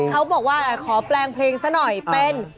เขาบอกว่าขอแปลงเพลงซะหน่อยเป็น